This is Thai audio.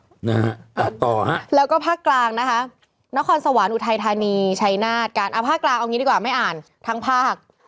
นะฮะอ่านต่อฮะแล้วก็ภาคกลางนะคะนครสวรรค์อุทัยธานีชัยนาธการอ่าภาคกลางเอางี้ดีกว่าไม่อ่านทั้งภาค